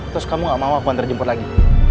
terus kamu gak mau aku ngantre jemput lagi